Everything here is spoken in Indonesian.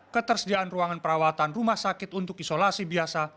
ketersediaan ruangan perawatan rumah sakit untuk isolasi biasa